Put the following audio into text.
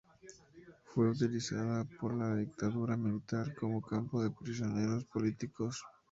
Fue utilizada por la dictadura militar como campo de prisioneros políticos.